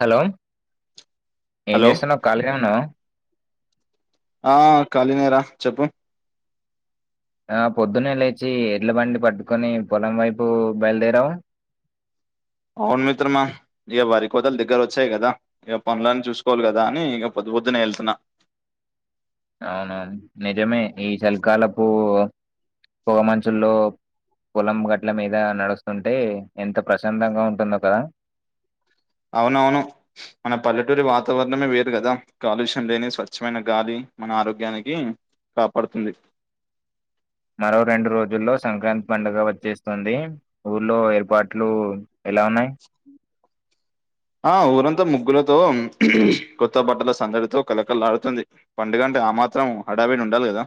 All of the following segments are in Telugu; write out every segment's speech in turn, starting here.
హలో ఏం హలో చేస్తున్నావ్ కలిగానే ఉన్నావ ఆ కలినే రా చెప్పు ఆ పొద్దున్నే లేచి ఎడ్ల బండి పట్టుకొని పొలం వైపు బయలుదేరావ అవును మిత్రమా ఇక వరి కోతలు దగ్గర వచ్చాయి కదా ఇక పనులన్ని చూసుకోవలి కదా అని [unintelligible] పొద్దు పొద్దున్నే వెళ్తున్న అవునా నిజమే ఈ చలి కాలపూ పొగ మంచుల్లో పొలం గట్ల మీద నడుస్తుంటే ఎంత ప్రశాంతంగా ఉంటుందో కదా! అవునవును మన పల్లెటూరి వాతావరణమే వేరు కదా కాలుష్యం లేని స్వచ్ఛమైన గాలి మన ఆరోగ్యానికి కాపాడుతుంది మరో రెండు రోజుల్లో సంక్రాంతి పండుగ వచ్చేస్తుంది ఊర్లో ఏర్పాట్లు ఎలా ఉన్నయి? ఆ ఊరంతా ముగ్గులతో కొత్త బట్టల సందడితో కలకలాడుతుంది పండుగ అంటే ఆ మాత్రం హడాబడి ఉండాలి కదా!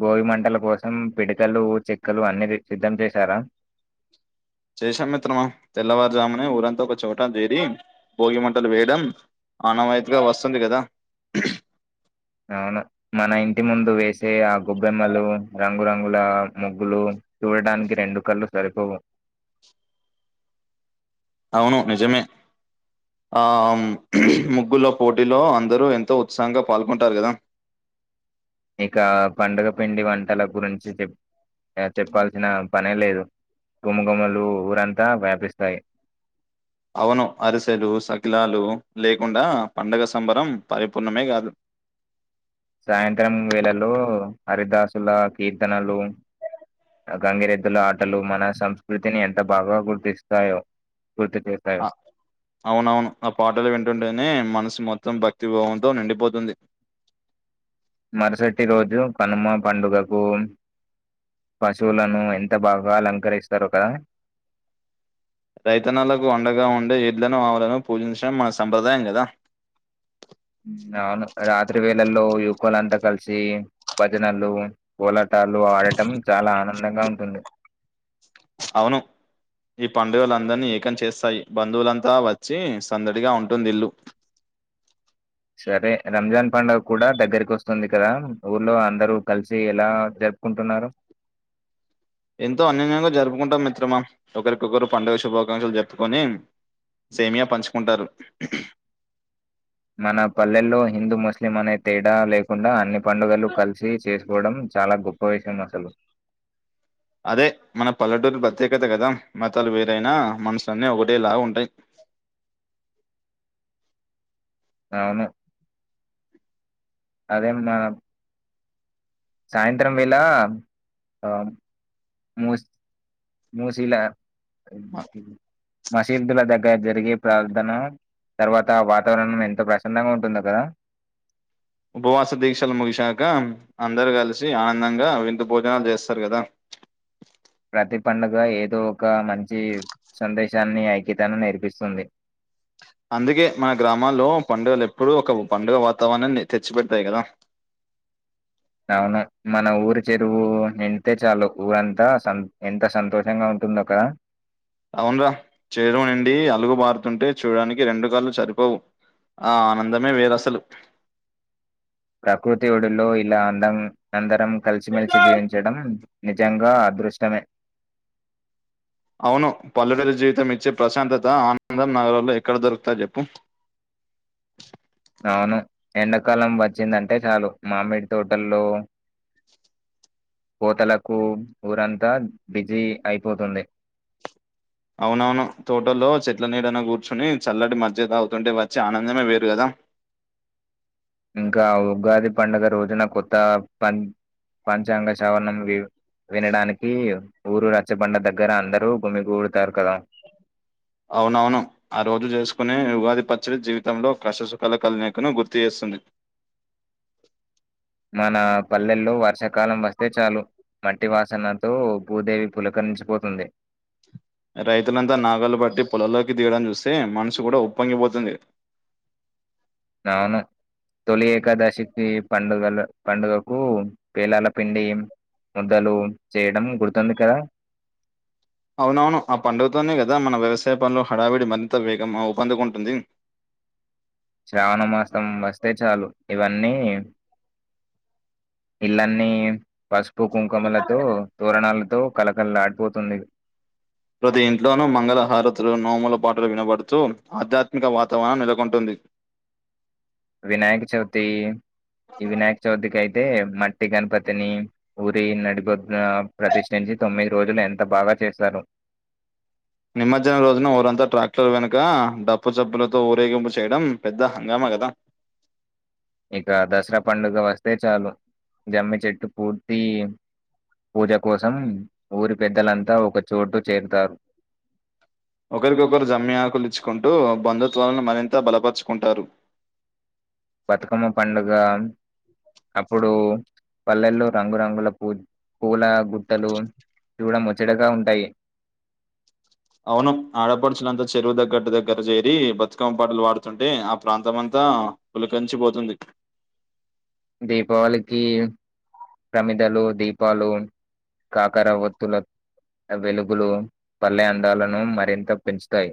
బోగి మంటల కోసం పిడకలు చెక్కలు అన్ని తెచ్ సిద్ధం చేశారా? చేశాం మిత్రమా తెల్లవారు జామునే ఊరంతో ఒక చోట జేరి, భోగి మంటలు వెయడం అనవాయితగా వస్తుంది కదా అవును మన ఇంటి ముందు వేసే ఆ గొబ్బెమ్మలు రంగురంగుల ముగ్గులు చూడటనికి రెండు కళ్ళు సరిపోవు అవును నిజమే ఆ ముగ్గులో పోటీలో అందరూ ఎంతో ఉత్సాహంగా పాల్గొంటారు కదా ఇంకా పండగ పిండి వంటల గురించి చెప్ చెప్పాల్సిన పనే లేదు ఘుమఘుమలు ఊరంతా వ్యాపిస్తాయి అవును అరిసెలు సకిలాలు లేకుండా పండగ సంబరం పరిపూర్ణమే కాదు. సాయంత్రం వేళలో హరిదాసుల కీర్తనలు గంగిరెద్దుల ఆటలు మన సంస్కృతిని ఎంత బాగా గుర్తిస్తాయో గుర్తు చేస్తాయో ఆ అవునవును ఆ పాటలు వింటుంటేనే మనసు మొ త్తం భక్తి భావంతో నిండిపోతుంది. మరుసటి రోజు కనుమ పండుగకు పశువులను ఎంత బాగ అలంకరిస్తారో కదా! రైతనలకు అండగా ఉండే ఎడ్లను ఆవులను పూజించడం మన సంప్రదాయం కదా! మ్మ్ అవును రాత్రి వేళల్లో యువకులు అంతా కలిసి భజనలు కోలా టాలు ఆడటం చాలా ఆనందంగా ఉంటుంది. అవును ఈ పండుగలందరినీ ఏకం చేస్తాయి బంధువులంతా వచ్చి సందడిగా ఉంటుంది ఇల్లు. సరే రంజాన్ పండుగ కూడ దగ్గరికి వస్తుంది కదా, ఊర్లో అందరూ కలిసి ఎలా జర్ పుకుంటున్నారు ఎంతో అన్యూనంగా జరుపుకుంటాం మిత్రమా! ఒకరికొకరు పండుగ శుభాకాంక్షలు జెప్పుకొని, సేమియా పంచుకుంటారు మన పల్లెల్లో హిందూ ముస్లిం అనే తేడా లేకుండా అన్ని పండుగలు కలిసి చేసుకోవడం చాలా గొప్ప విషయం అసలు అదే మన పల్లెటూరు ప్రత్యేకత కదా మతాలు వేరైనా మనసులన్నీ ఒకటే లాగా ఉంటాయి. అవును అదే మన సాయంత్రం వేళ ఆ మూస్ మూసీలా మసిబ్ద్ లా గడ్ రేపు జరిగే ప్రార్ధన తర్వాత వాతావరణం ఎంతో ప్రశాంతంగా ఉంటుందో కదా ఉపవాస దీక్షలు ముగిశాక అందరు కలిసి ఆనందంగా వింత భోజనాలు చేస్తారు కదా ప్రతి పండుగ ఏదో ఒక మంచి సందేశాన్ని ఐక్యతను నేర్పిస్తుంది అందుకే మన గ్రామాల్లో పండుగలు ఎప్పుడూ ఒక పండుగ వాతావరణాన్ని తెచ్చి పెడతాయి కదా అవును మన ఊరి చెరువు నిండితే చాలు ఊరంతా సన్ ఎంత సంతోషంగా ఉన్ తుందో కదా అవున్రా చేయడం అండి అలుగు బారుతుంటే చూడడానికి రెండు కాళ్లు సరిపోవు ఆ ఆనందమే వేరు అసలు ప్రకృతి ఒడులో ఇలా అందం అందరం కలిసి మెలిసి జీవించడం నిజంగా అదృష్టమే అవును పల్లె జెరువు జీవితం ఇచ్చే ప్రశాంతత ఆనందం నగరంలో ఎక్కడ దొరుకుతాయి చెప్పు అవును ఎండాకాలం వచ్చిందంటే చాలు మామిడి తోటల్లో కోతలకు ఊరంతా బిజీ అయిపోతుంది అవునవును తోటోల్లో చెట్ల నీడన కూర్చొని చల్లటి మాజీగా తాగుతుంటే వచ్చి ఆనందమే వేరు కదా ఇంకా ఉగాది పండుగ రోజున కొత్త పన్ పంచాంగ సవరణం లీవ్ వినడానికి ఊరు రచ్చబండ దగ్గర అందరూ గుమిగూడతారు కదా అవునవును ఆ రోజు చేసుకునే ఉగాది పచ్చడి జీవితంలో కష్టసుఖాలు కలనీకును గుర్తు చేస్తుంది మన పల్లెల్లో వర్షాకాలం వస్తే చాలు మట్టి వాసనతో భూదేవి పులకను పోతుంది రైతులంతా నాగాలు బట్టి పొలల్లోకి తీయడం చూస్తే మనసు కూడా ఉప్పొంగిపోతుంది అవును తొలి ఏకాదశికి పండుగల పండుగకు పేలాల పిండి సద్దలు చేయడం గుర్తుంది కదా అవునవును ఆ పండుగతోనే కదా మన వ్యవసాయ పనులు హడావిడి మరింత వేగం వుపు అందుకుంటుంది శ్రావణ మాసం వేస్తే చాలు ఇవి అన్నీ ఇల్లన్నీ పసుపు కుంకుమలతో తోరణాలతో కలకళలాడిపోతుంది ప్రతి ఇంట్లోనూ మంగళహారతులు నోముల పాటలు వినబడుతూ ఆధ్యాత్మిక వాతావరణం నెలకొంటుంది వినాయక చవితి ఈ వినాయక చవితికి అయితే మట్టి గణపతిని ఊరి నడి బొట్టు నా ప్రతిష్ఠించి తొమ్మిది రోజులు ఎంత బాగా చేస్తారు నిమజ్జనం రోజున ఊరంతా ట్రాక్టర్లు వెనుక డప్పు చబ్ప్పులతో ఊరేగింపు చేయడం పెద్ద హంగామా కదా ఇక దసరా పండుగ వస్తే చాలు జమ్మి చెట్టు పూర్తి పూజ కోసం ఊరి పెద్దలంతా ఒక చోటు చేరుతారు ఒకరికొకరు జమి ఆకులిచ్చుకుంటూ బంధుత్వాలను మరింత బలపరుచుకుంటారు బతుకమ్మ పండుగ అప్పుడు పల్లెల్లో రంగురంగుల పూ పూల గుట్టలు చూడ ముచ్చటగా ఉంటాయి అవును ఆడపడుచుల అంతా చెరువు దగ్గట్టు దగ్గర చేరి బతుకమ్మ పాటలు వాడుతుంటే ఆ ప్రాంతంమంత తా పులకంచిపోతుంది దీపావళికి ప్రమిదలు దీపాలు కాకరవత్తుల ఆ వెలుగులు పల్లె అందాలను మరింత పెంచుతాయి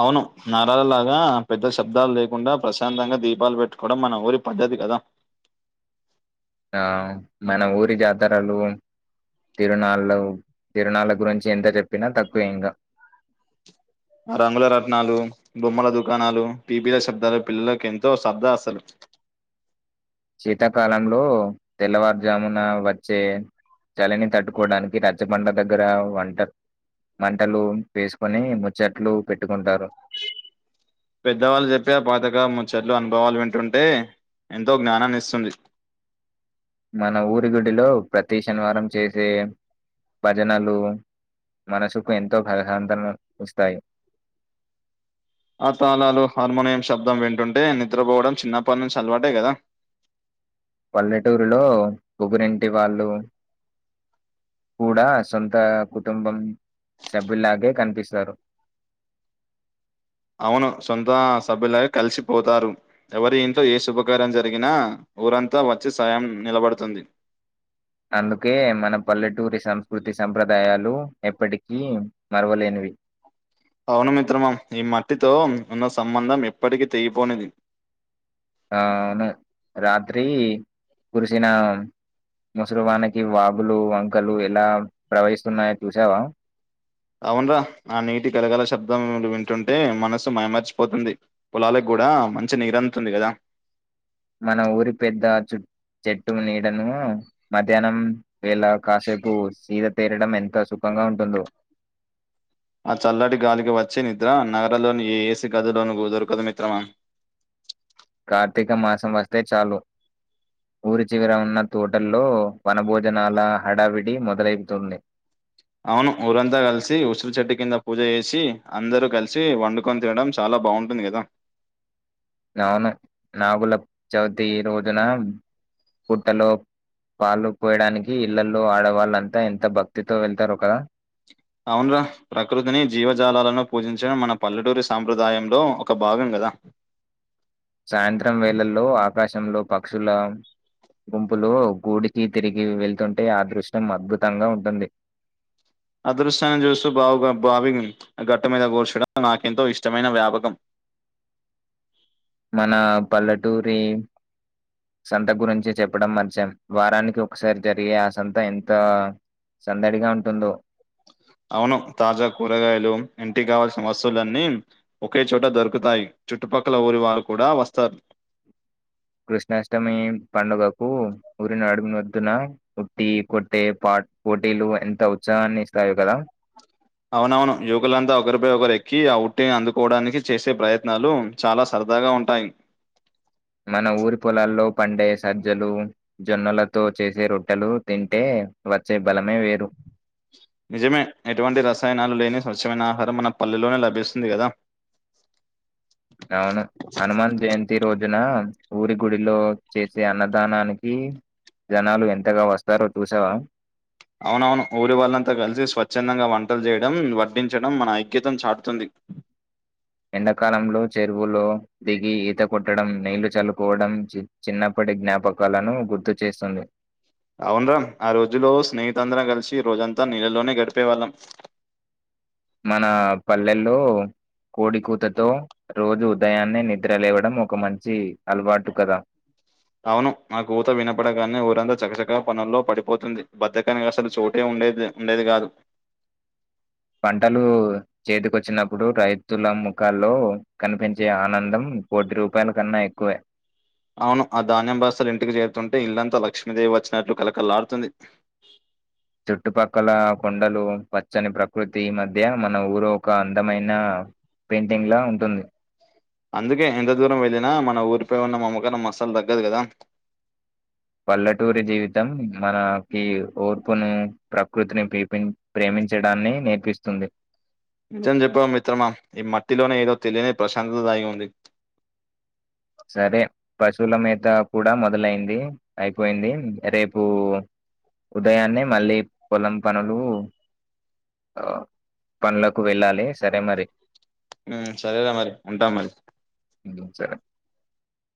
అవును నారాల్లగా పెద్ద శబ్దాలు లేకుండా ప్రశాంతంగా దీపాలు పెట్టుకోవడం మన ఊరి పద్ద అది కదా ఆ మన ఊరి జాతరలు తిరుణాళ్ళు తిరణాళ్ళ గురించి ఎంత చెప్పినా తక్కువే ఇంగా రంగుల రత్నాలు బొమ్మల దుకాణాలు పీపీల శబ్దాలు పిల్లలకు ఎంతో సరద అసలు శీతాకాలంలో తెల్లవారుజామున వచ్చే చలిని తట్టుకోవడానికి రచ్చబండ దగ్గర వంట మంటలు వేసుకొని ముచ్చట్లు పెట్టుకుంటారు పెద్దవాళ్ళు చెప్పి ఆ పాతక ముచట్లు అనుభవాలు వింటుంటే ఎంతో జ్ఞానాన్ని ఇస్తుంది మన ఊరి గుడిలో ప్రతి శనివారం చేసే భజనలు మనసుకు ఎంతో హర హంతన ఇస్తాయి ఆ తాళాలు హార్మోనియం శబ్దం వింటుంటే నిద్రపోవడం చిన్నప్పటి నుంచి అలవాటే కదా పల్లెటూరులో పొగురింటి వాళ్ళు కూడా సొంత కుటుంబం సభ్యులాగే కనిపిస్తారు అవును సొంత సభ్యులాగే కలిసిపోతారు ఎవరి ఇంట్లో ఏ శుభకార్యం జరిగినా ఊరంతా వచ్చి సాయం నిలబడుతుంది అందుకే మన పల్లెటూరి సంస్కృతి సంప్రదాయాలు ఎప్పటికీ మరవలేనివి అవును మిత్రమా ఈ మట్టితో ఉన్న సంబంధం ఎప్పటికి తెగిపోనిది ఆవును రాత్రి కురిసిన ముసలివానకి వాగులు వంకలు ఎలా ప్రవహిస్తున్నాయో చూసావా అవున్రా ఆ నీటి గలగల శబ్దం వింటుంటే మనస్సు మయిమర్చిపోతుంది పొలాలకు గు కూడా మంచి నీరు అందుతుంది కదా మన ఊరి పెద్ద చు చెట్టు నీడను మధ్యాహ్నం వేళ కాసేపు సీద తీరడం ఎంత సుఖంగా ఉంటుందో ఆ చల్లటి గాలికి వచ్చే నిద్ర నగరలోని ఏసి గదిలోను దొరకదు మిత్రమా కార్తీక మాసం వస్తే చాలు ఊరి చివర ఉన్న తోటల్లో వనభోజనాల హడావిడి మొదలైతుంది అవును ఊరంతా కలిసి ఉసురు చెట్టు కింద పూజ చేసి అందరు కలిసి వండుకొని తినడం చాలా బావుంటుంది కదా అవును నాగుల చవితి రోజున పుట్టలో పాళ్లు పోయడానికి ఇళ్లల్లో ఆడవాళ్ళంతా ఎంత భక్తితో వెళ్తారో కదా అవున్ర ప్రకృతిని జీవజాలాలను పూజించడం మన పల్లెటూరి సాంప్రదాయంలో ఒక భాగంగా కదా కాశంలో పక్షుల్లా గుంపులో గూడికి తిరిగి వెళ్తుంటే ఆదృష్టం అద్భుతంగా ఉంటుంది. అదృశ్యాన్ని చూస్తూ బావుగ బావి, గట్ట మీద కూర్చోవడం నాకెంతో ఇష్టమైన వ్యాపకం. మన పల్లెటూరి సంత గురించి చెప్పడం మంచం, వారానికి ఒకసారి జరిగే ఆ సంత ఎంత సందడిగా ఉంటుందో. అవును తాజా కూరగాయలు ఇంటి కావాల్సిన వస్తువులన్నీ ఒకే చోట దొరుకుతాయి. చుట్టుపక్కల ఊరి వాళ్ళు కూడా వస్తారు. కృష్ణాష్టమి పండుగకు ఊరినడుగునొత్తున ఉట్టి కొట్టే పా పోటీలు ఎంత ఉత్సాహాన్ని ఇస్తాయో కదా. అవునవును యువకులంతా ఒకరిపై ఒకరు ఎక్కి, ఆ ఉట్టటిని అందుకోవడానికి చేసే ప్రయత్నాలు చాలా సర దాగా ఉంటాయి. మన ఊరి పొలాల్లో పండే సజ్జలు జొన్నలతో చేసే రొట్టెలు, తింటే వచ్చే బలమే వేరు. నిజమే ఎటువంటి రసాయనాలు లేని స్వచ్ఛమైన ఆహారం మన పల్లెలోనే లభిస్తుంది కదా. అవును హనుమాన్ జయంతి రోజున ఊరి గుడిలో చేసే అన్నదానానికి జనాలు ఎంతగా వస్తారో చూసావా? అవునవును ఊరి వాళ్ళంతా కలిసి స్వచ్ఛందంగా వంటలు చేయడం, వడ్డించడం మన ఐక్యతను చాటుతుంది. ఎండాకాలంలో చెరువులో దిగి ఈత కొట్టడం, నీళ్లు చల్లుకోవడం చిన్ చిన్నప్ప టి జ్ఞాపకాలను గుర్తు చేస్తుంది. అవున రాం ఆ రోజులో స్నేహితులందరం కలిసి రోజంతా నీళ్లలోనే గడిపేవాళ్ళం. మన పల్లెల్లో కోడికూతతో రోజు ఉదయాన్నే నిద్రలేవడం ఒక మంచి అలవాటు కదా. అవును ఆ కూత వినపడగానే ఊరంతా చకచకా పనుల్లో పడిపోతుంది, బద్దకానికి అసలు చోటే ఉం ఉండేదే ఉండేది కాదు. పంటలు చేతికొచ్చినప్పుడు రైతుల ముఖాల్లో కనిపించే ఆనందం. కోటి రూపాయల కన్నా ఎక్కువే. అవును ఆ ధాన్యం భాస్తలు ఇంటికి చేరుతుంటే, ఇల్లంతా లక్ష్మీదేవి వచ్చినట్లు కలకల్లాడుతుంది. చుట్టుపక్కల కొండలు, పచ్చని ప్రకృతి మధ్య, మన ఊరు ఒక అందమైన పెయింటింగ్ లా ఉంటుంది. అందుకే ఎంత దూరం వెళ్ళిన మన ఊరిపై ఉన్న మమకారం అస్సలు తగ్గదు కదా. పల్లటూరి జీవితం మన కి ఓర్పును ప్రకృతిని పీపి ప్రేమి చడాన్ని నేర్పిస్తుంది. నిజం చెప్పావు మిత్రమా, ఈ మట్టిలోనే ఏదో తెలియని ప్రశాంతత దాగి ఉంది. సరే పశువుల మేత కూడా మొదలయింది, అయిపోయింది, రేపు ఉదయాన్నే మళ్ళీ పొలం పనులు ఆ పనులకు వెళ్ళాలే సరే మరి. ఉమ్ సరేర మరి ఉంటాం మరి. ఉహు సరే